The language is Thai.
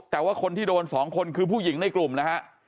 แต่ว่าคนที่โดน๒คนคือผู้หญิงในกลุ่มนะฮะ